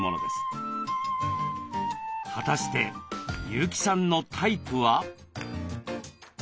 果たして優木さんのタイプは？